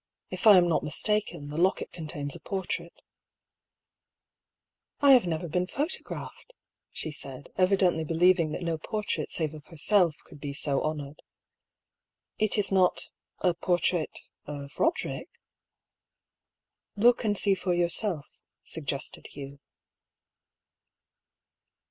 If I am not mistaken, the locket contains a portrait." 118 DR. PAULL'S THEORY. "I have never been photographed," she said, evi dently believing that no portrait save of herself could be so honoured. "It is not — a portrait — of Eode rick ?"" Look and see for yourself," suggested Hugh.